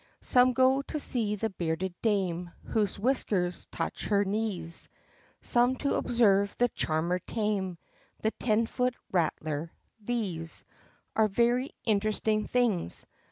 Some go to see the bearded dame Whose whiskers touch her knees , Some to observe the charmer tame The ten foot rattler. These Are very interesting things.